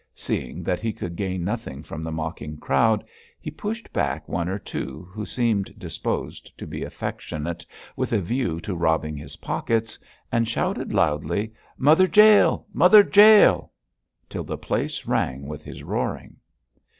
Seeing that he could gain nothing from the mocking crowd, he pushed back one or two, who seemed disposed to be affectionate with a view to robbing his pockets, and shouted loudly, 'Mother Jael! Mother Jael!' till the place rang with his roaring.